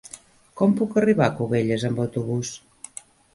Com puc arribar a Cubelles amb autobús?